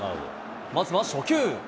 まずは初球。